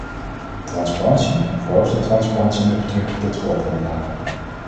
Transparantie: verhoogde transparantie met betrekking tot groothandelaren.